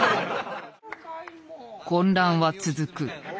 混乱は続く。